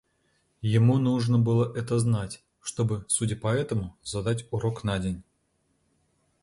Ему нужно было это знать, чтобы, судя по этому, задать урок на день.